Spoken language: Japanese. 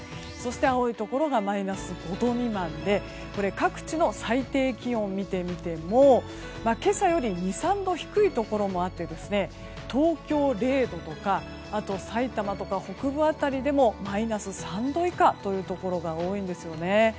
そして、青いところがマイナス５度未満で各地の最低気温を見てみても今朝より２３度低いところもあって東京、０度とかさいたまとか、北部辺りでもマイナス３度以下というところが多いんですよね。